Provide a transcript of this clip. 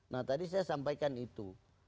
nah tadi saya sampaikan itu